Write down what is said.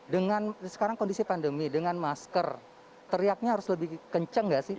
dengan sekarang kondisi pandemi dengan masker teriaknya harus lebih kenceng gak sih